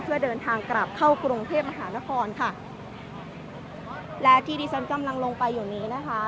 เพื่อเดินทางกลับเข้ากรุงเทพมหานครค่ะและที่ที่ฉันกำลังลงไปอยู่นี้นะคะ